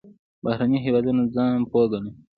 بهرني هېوادونه ځان پوه ګڼي.